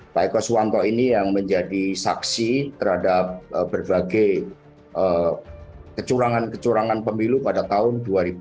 pak eko suwanto ini yang menjadi saksi terhadap berbagai kecurangan kecurangan pemilu pada tahun dua ribu dua puluh